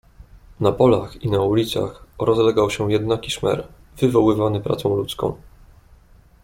"Na polach i na ulicach rozlegał się jednaki szmer, wywoływany pracą ludzką."